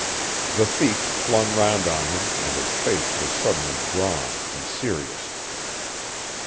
The thief flung round on him and his face was suddenly drawn and serious.